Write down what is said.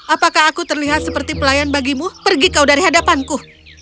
apakah aku terlihat seperti pelayan bagimu pergi kau dari hadapanku